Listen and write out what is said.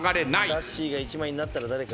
さっしーが１枚になったら誰か。